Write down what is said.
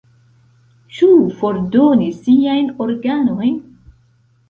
Ĉu fordoni siajn organojn?